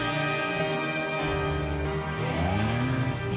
へえ。